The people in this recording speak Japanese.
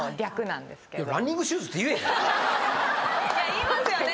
言いますよね？